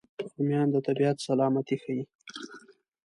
رومیان د طبیعت سلامتي ښيي